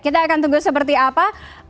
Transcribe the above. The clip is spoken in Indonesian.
kita akan tunggu seperti apa